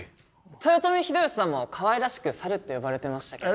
豊臣秀吉さんもかわいらしくサルって呼ばれてましたけど。